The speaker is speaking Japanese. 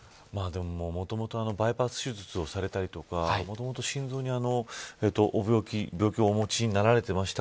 もともとバイパス手術をされたりとかもともと心臓にご病気をお持ちになられています。